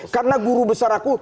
karena guru besar aku